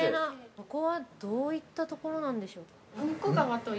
ここは、どういったところなんでしょうか。